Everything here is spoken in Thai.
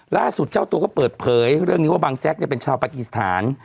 ล่าสุดเจ้าตัวก็เปิดเผยเรื่องนี้ว่าบางแจ๊กเป็นชาวปากีสถาน